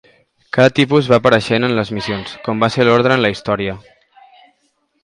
Cada tipus va apareixent en les missions, com va ser l'ordre en la història.